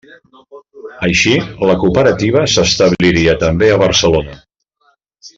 Així, la cooperativa s'establiria també a Barcelona.